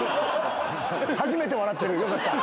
初めて笑ってる、よかった。